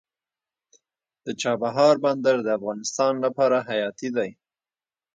د چابهار بندر د افغانستان لپاره حیاتي دی